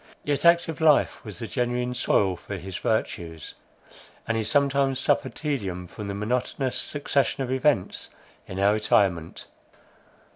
Yet active life was the genuine soil for his virtues; and he sometimes suffered tedium from the monotonous succession of events in our retirement.